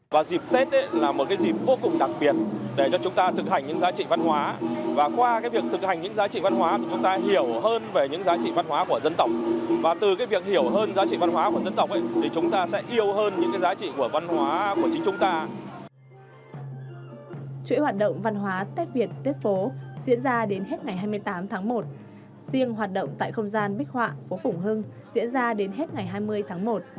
và dịp tết là một dịp vô cùng đặc biệt để cho chúng ta thực hành những giá trị văn hóa